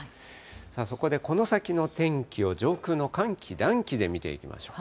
さあ、そこでこの先の天気を上空の寒気、暖気で見ていきましょう。